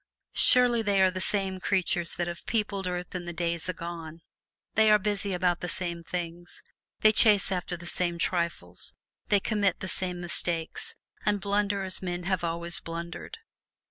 Surely they are the same creatures that have peopled earth in the days agone; they are busy about the same things, they chase after the same trifles, they commit the same mistakes, and blunder as men have always blundered.